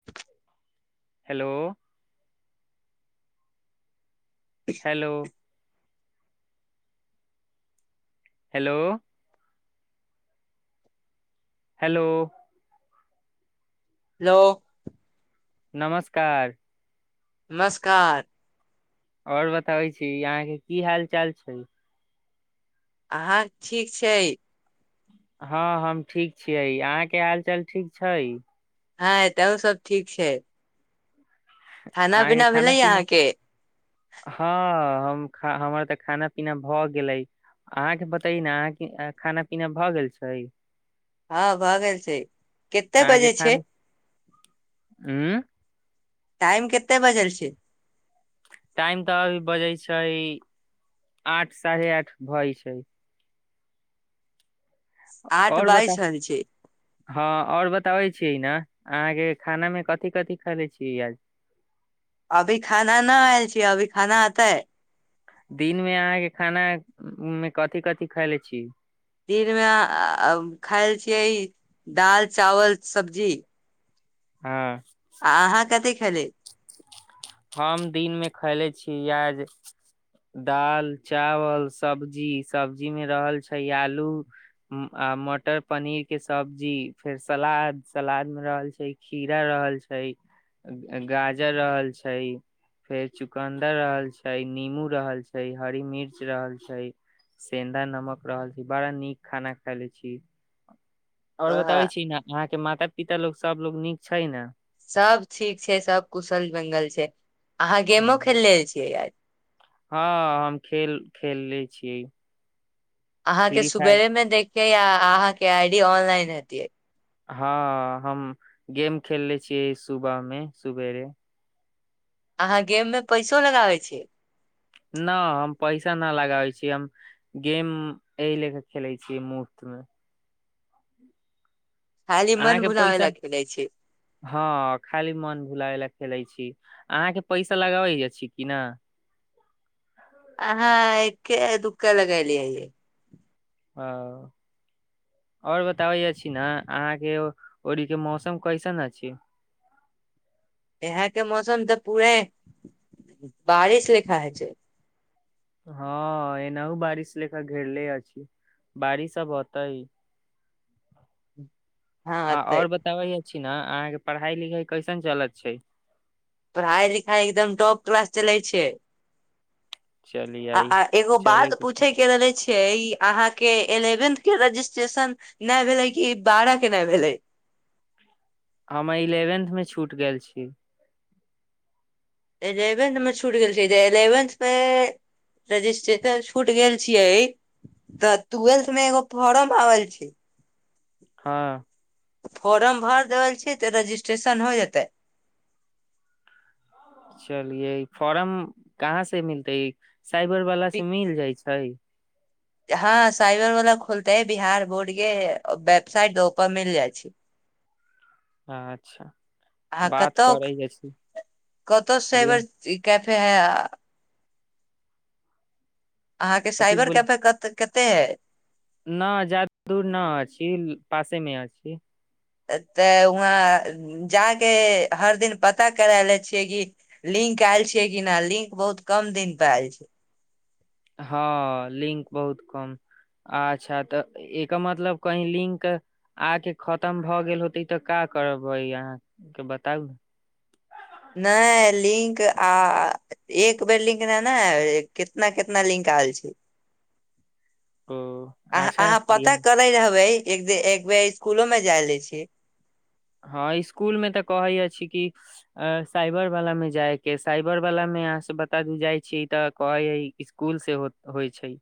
[inaudible] Hello hello hello hello लो नमस्कार नमस्कार और बताबै छी अहाँ के की हाल चाल छै अहाँ ठीक छै हँ हम ठीक छियै अहाँ के हाल चाल ठीक छै हँ तहु सब ठीक छै खाना आहाँ के खाना भेलै पीना अहाँके हँ हम खा हमर तऽ खाना पीना भऽ गेलै अहाँ के बताइ ने अहाँके खाना पीना भए गेल छै हँ भ गेल छै कते आकेे बजे छै खाना उँ टाम केतेक बजे छै टाइम तऽ अभी बजे छै आठ साढ़े आठ भए छै आठ आओर बता बइस छन छै हँ और बताबे छीियै ने अहाँ के खाना मे कथिी कथिी खले छीय आज अभी खाना न आयल छीियै अभी खाना अतै दिन मे अहाँके खाना मे कथिी कथिी खायले छी दिन मे खायल छियै दाल चावल सब्जी हँ आ अहाँ कतेक खेली हम दिन मे खैले छीिय याज दाल चावल सब्जी सब्जी मे रहल छै आलू आ मटर पनीर के सब्जी फेर सलाद सलाद मे रहल छै खीरा रहल छै गाजर रहल छै फेर चुकन्दर रहल छै नीमू रहल छै हरी मिर्च रहल छै सेन्दा नमक रहल छै बड़ा नीक खाना खाय ले छी आओर बताबै ओह, छी ने अहाँके माता पिता लोग सब लोग नीक छै ने सब ठीक छै सब कुशल मंगल छै अहाँ गेमो ने खेलले छियै याद हँ हम खेल खेलले छियै अहाँ के फ्री फायर सुवेरे में देखिये आ अहाँ के आई डी ऑनलाइन हेतिये हँ हम गेम खेलले छियै सुबह मे सुवेरे अहाँ गेम में पैसो लगाबे छियै न हम पैसा ना लगाबै छी हम गेम एहि लेक खेले छियै मुफ्त मे खाली मन अहाँके भुलावै पैसा लय खेलय छी हँ खाली मन भुलाय लय खेलै छी अहाँके पैसा लगाबै छिय न अहाँ एके दुका लगेलिए य हाँ और बताबै छी ने अहाँ के ओड़ी के मौसम कैसन अछि यहाँ के मौसम तऽ पूरे बारिश लेखा होइ छै हँ एनाओ बारिश लेखा घेरले अछि बारिश सब होतै ह्म [inaudible] आ और बताबै छी ने अहाँके पढ़ाई लिखाई कैसन चलत छै पढ़ाइ लिखाइ एकदम टॉप क्लास चलै छै चलियै आ एगो चले बात पूछैके रहले छियै ई अहाँके एलेवेन्थ के रजिस्ट्रेशन नय भेललै कि बारा के नय भेलै हम इलेवेंथ में छूट गेल छी एलेवेन्थ मे छूट गेल छै जे एलेवेन्थ मे रजिस्ट्रेशन छूट गेल छियै तऽ टूव्वेल्थ मे एगो फोर्म आवल छै हँ फोर्म भर देवल छी तऽ रजिस्ट्रेशन हो जेतै चलिये फॉर्म कहाँ से मिलते साइबर वाला से मिल जाय छै हँ साइबर वाला खोलते बिहार बोर्ड के वेबसाइट औपर मिल जाइ छै अच्छा [inaudible] आ बात कतक करै जाइ छी कतक साईवर जी कैफे हेय अहाँके कथी साइबर बोल कैफे कते हय न जादा दूर न अछि छी पासे मे अछि ए तऽ वहाँ जा के हर दिन पता कराय ले छियै कि लिंक आयल छियै कि न लिंक बहुत कम दिन त आयल छै हँ लिंक बहुत कम अच्छा तऽ एकर मतलब कही लिंक आके खतम भऽ गेल होते ई तऽ का करबै अहाँके बताउ नय लिंक आ एक बेर लिंक न न आयल कितना कितना लिंक आयल छै ओ अ अच्छा अहाँ पता बिहान करै रहबै एदे एक बेर स्कूलो में जाय ले छी हँ स्कूल मे तऽ कहै अछि छी कि अ साइबर वाला मे जाय के साइबर वाला मे अहाँ सब बता जाइ छी तऽ कहे हइ कि स्कूल से होइ छै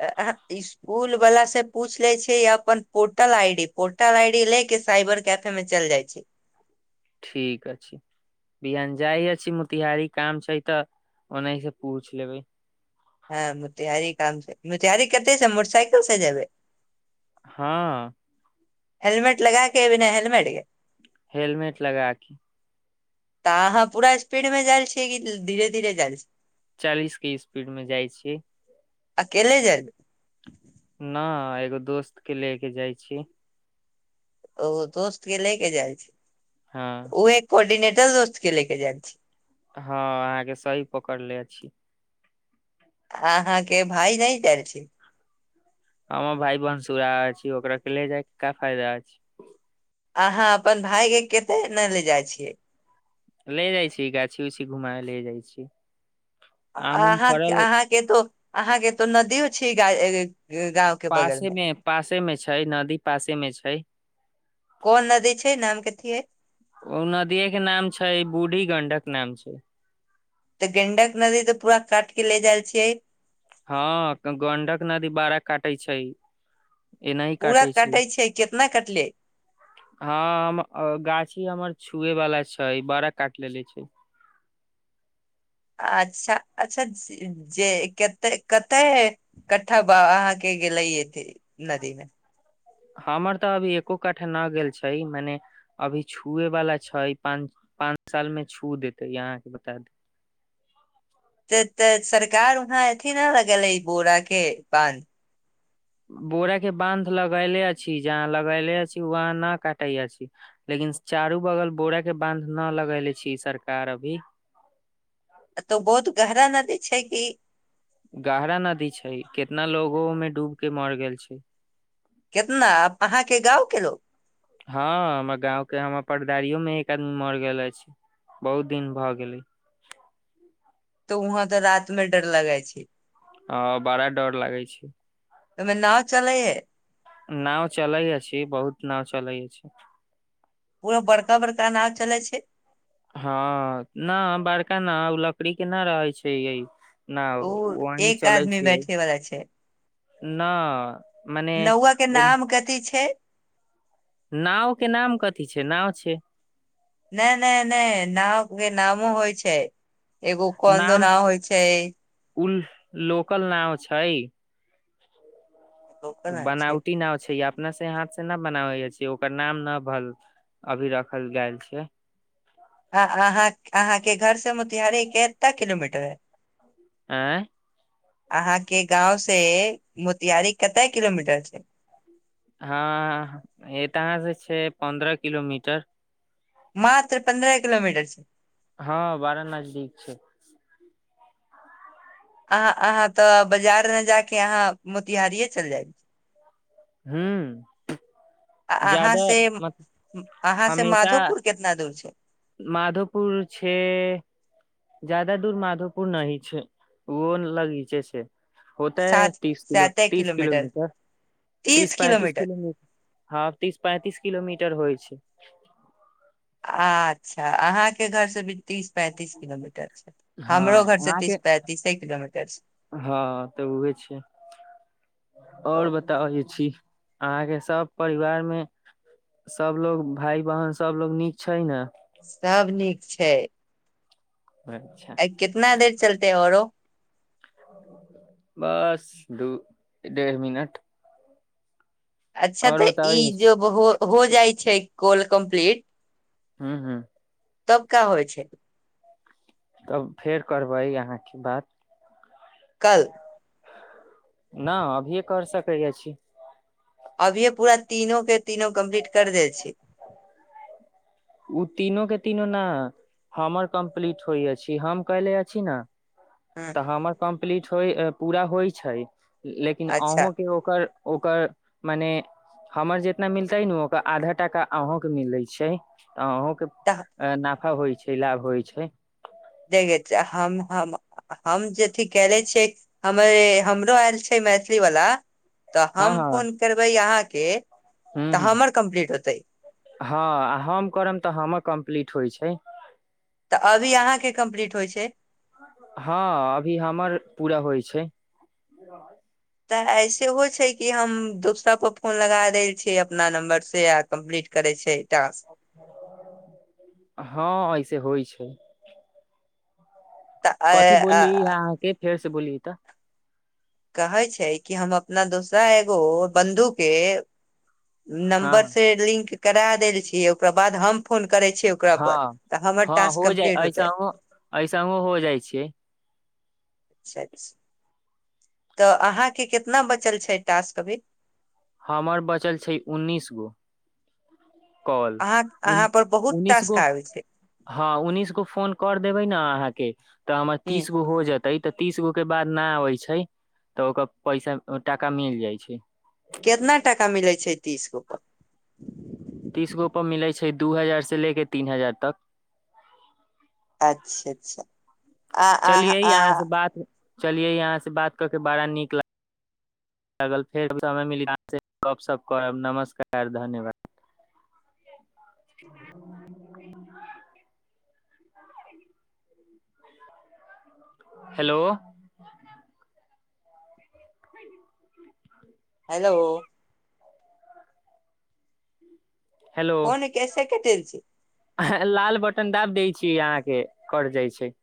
ऐं हे इस् स्कूल वाला से पूछ ले छै अपन portal ID portal I D ले के साइबर कैफे मे त चल जाइ छी ठीक अछी बिहान जाय अछी मोतिहारी काम छै तऽ ओनाहित से पूछ लेबै हँ मतिहारी काम छै मतिहारी कथि स मोटरसइकल से जबै हाँ हेलमेट लगा के बिना हेलमेट के हेलमेट लगा के त आहाँ पूरा स्पीड में जाइल छियै कि धीरे धीरे जाइल छै चालीस के स्पीड में जाइ छीयै आकेले जयबे न एगो दोस्त के ले के जाइ छी ओ दोस्त के लैके जाइ छै हाँ ओ एक कोर्डनेटर दोस्त के लेके जाय छी हँ अहाँके सही पकड़ले अछि आहाँ के भाय नहि जायल छी हमर भााय बनसूरा अछि ओकरा के ले जाय के का फायदा अछि अहाँ अपन भााय के कते ने ले जाइ छियै ले जाइ छी गाछी उछी घुमा ले जाइ छी आम उम अह फड़ल अहाँके तो अहाँके तो नदियो छै गांव पासे मे पासे मे छै नदी पासे मे छै कोन नदी छै नाम कथि हैय ओ नदिय के नाम छै बूढ़ी गंडक नाम छै तऽ गेंडक नदी तऽ पूरा काट के ले जाय छियै हँ गंडक नदी बारा काटे छै एनाही पूरा काटे कटै छै केितना कटले हँ गाछी हमर छुए वाला छै बड़ा काट लेलेे छै अच्छा अच्छा जी जे कते कते कट्ठा बाब अहाँ के गेले अथि नदी मे हमर तऽ अभी एको कट्ठा न गेल छै मने अभी छुए वाला छै पच पाँच साल मे छू देते अहाँके बता दि त तऽ सरकार वहाँ अथि न लगल है बोरा के बानध बोरा के बानध लगैले अछी जहाँ लगैले अछी वहाँ न काटै अछी लेकिन चारू बगल बोरा के बानध न लगेले छी सरकार अभी तऽ बहुत गहरा नदी छै कि गहरा नदी छै कितना लोगो मे डूब के मर गेल छै केितना अहााँके गाँव के लोक हँ हमर गांव के हमर पदारियो में एक आदमी मर गेल अछि बहुत दिन भए गेले तऽ वहाँ तऽ रात में डर लगै छी हँ बड़ा डर लागै छै ओमे नाव चलैयै हे नओ चलै अछी बहुत नाव चलै अछि पूरा बड़का बड़का बड़का नाव चलै छै हँ न बड़का न ओ लकड़ी के न रहे छै य नाव ओ वही एक चलै आदमी छिय बैठे वाला छै न मने नौआ के ओ नाम कथी छै नाव के नाम कथी छै नााव छै नय नय नय नाव नामो होइ छै एगो कोन्द नाम नाव होइ छै उल लोकल नाव छै कोना छै बनावटी नाव छै यऽ। अपना सँ हाथसँ न बनाबै छ, ओकर नाम नऽ भऽ अभी रखल गेल छ। अहाँ अहाँके घरसँ मोतिहारी कतेक किलोमीटर है? आऑ अहाँके गाँंवसे मोतियारी कतेक किलोमीटर छै? हँ, एतऽ अहाँसँ पन्द्रह किलोमीटर छै। मात्र पन्द्रह किलोमीटर छै। हँ, बारा नजदीक छै। अहाँ अहाँ तऽ बाजार नहि जाकऽ मोतिहारीए चलि जायब। हू अहाँसे अहाँसे माधोपुर केितना दूर छै मधोपुर छै जादे दूर माधोपुर नहि छै, ओ लगिचे से। होतै, सात साते तीस किलोमीटर, तीस पैंतीस किलोमीटर। हँ, तीस पैंतीस किलोमीटर होइ छै। अच्छा, अहाँके घरसँ? तीस पैंतीस किलोमीटर छै, हमरौ हँ घरसँ तीस अहाँके पैंतीस किलोमीटर छै। हँ तऽ उहे छै। ओ, आओर बताबै छी, अहाँके सभ परिवारमे? सभ लोक भाय बहिन सभ लोक नीक छै ने? सभ नीक छै। अच्छा ई कतेक देर चलतै आओर? बस, दू डेढ़ मिनट। अच्छा, तऽ और बताबै ई हूँ जब हो जाइ छै, कॉल कम्प्लीट। हँ हँ तब का होइ छै? तब फेर करबै अहाँसँ बात। कल नहि, अभिए कऽ सकै अछि। अभिए पूरा तीनूके तीनू कम्प्लीट कऽ दै छी। ओ तीनूके तीनू ने। हमर कम्प्लीट होइ अछि, हम कएने छी ने। हँ हमर कम्प्लीट होइ, पूरा होइ छै, लेकिन अच्छा अहूँके ओकर। ओकर मने हमर जितना मिलतै ने, ओकर आधा टका अहूँके मिलैत छै। आ अहिके? त ह अऽ, नाफा होइ छै, लाभ होइ छै। देखै छै हम, हम। हम जे अथी कएने छियै, हमरौ आयल छै, मैथिली वाला। तऽ हँ हम हँ फोन करबै अहाँकेँ, ह तऽ हमर कम्प्लीट होयतै। हँ, आ हम करब तऽ हमर कम्प्लीट होइ छै। तऽ अभी अहाँके कम्प्लीट होइ छै हँ, अभी हमर पूरा होइ छै। तऽ एना होइ छै कि हम दोसरापर फोन लगा देने छियै अपना नम्बर सँ, आ कम्प्लीट करै छियै टास्क। हँ ऐसे होइ छै। तऽ कथी अ- बोललियै अ- अहाँके? फेरसँ बोली तऽ। कहै छै कि हम अपना दोसर एगो बन्धुके हँ नम्बर से लिंक करा देल छियै ओकरा बाद हम फोन करै छियै ओ हँ हँ हो जा ऐसहो ऐसहो हो जाइ छै अच्छा अच्छा तऽ अहाँके कितना बचल छै टास्क अभी हमर बचल छै उन्नीस गो कॉल अहाँ उ अहाँ पर बहुत उन्नीस टास्क गो आबै छै हँ उन्नीस गो फोन कर देबै न अहाँके तऽ हमर ह तीस गो हो जतै ते तऽ तीस गो के बाद ना आबे छै तऽ ओकर पैसा टाका मिल जाइ छै केतना टाका मिलै छै तीस गो पर तीसगो पर मिलै छै दू हजार से ले के तीन हजार तक अच्छा अच्छा आ आ आ चलिये अहां से बात कर के बड़ा नीक ला लागल फेर समय मिली त अहांसे गपशप करब नमस्कार धन्यवाद हेलो [inaudible] हेलो हेलो फोन कैसे कटै छै लाल बटन दाब दै छी अहाँ के कट जाइ छै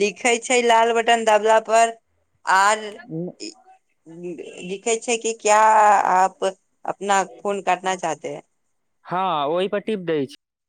लिखै छै लाल बटन दबला पर आर लिखे छै कि क्या आप अपना फोन काटना चाहते है? हँ ओही पर टीप दै छी